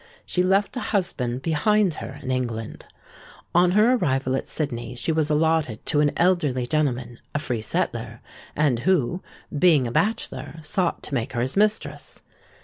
She left a husband behind her in England. On her arrival at Sydney she was allotted to an elderly gentleman, a free settler, and who, being a bachelor, sought to make her his mistress.